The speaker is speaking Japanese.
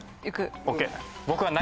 ＯＫ。